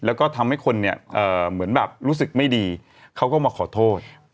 แล้วก็ทำให้คนเนี่ยเหมือนแบบรู้สึกไม่ดีเขาก็มาขอโทษ